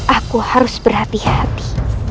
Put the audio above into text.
aku harus berhati hati